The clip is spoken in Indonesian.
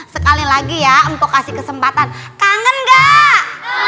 sekali lagi ya empuk kasih kesempatan kangen gak